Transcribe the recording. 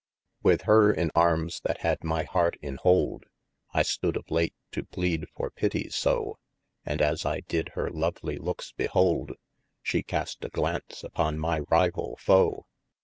With hir in armes that had my hart in holde, I stoode of late to pleade for pitie so : And as I did hir lovelie lookes beholde, Shee cast a glaunce upon my rival! foe.